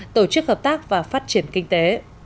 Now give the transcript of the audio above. tổ chức hợp tác và phát triển kinh tế